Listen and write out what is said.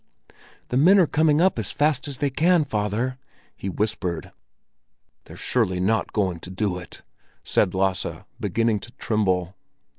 "The men are coming up as fast as they can, father!" he whispered. "They're surely not going to do it?" said Lasse, beginning to tremble.